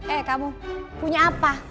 eh kamu punya apa